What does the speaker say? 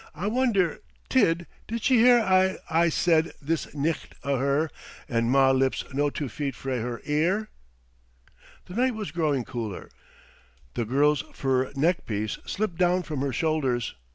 "I wonder, Tid, did she hear a' I said this nicht o' her, and ma lips no two feet frae her ear!" The night was growing cooler. The girl's fur neck piece slipped down from her shoulders.